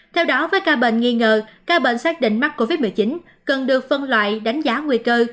theo đó với ca bệnh nghi ngờ ca bệnh xác định mắc covid một mươi chín cần được phân loại đánh giá nguy cơ